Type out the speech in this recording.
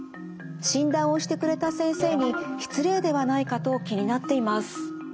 診断をしてくれた先生に失礼ではないかと気になっています」。